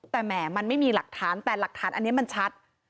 แต่แหมมันไม่มีหลักฐานแต่หลักฐานอันนี้มันชัด